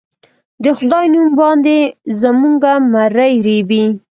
د خدای نوم باندې زموږه مرۍ رېبي